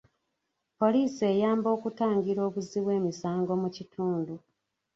Poliisi eyamba okutangira obuzzi bw'emisango mu kitundu.